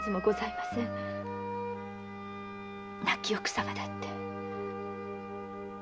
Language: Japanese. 亡き奥様だって。